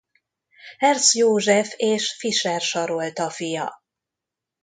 Herz József és Fischer Sarolta fia.